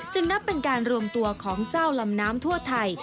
นับเป็นการรวมตัวของเจ้าลำน้ำทั่วไทย